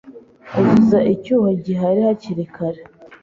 Uzuza icyuho gihari hakiri kare